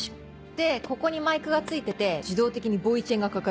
でここにマイクが付いてて自動的にボイチェンがかかるの。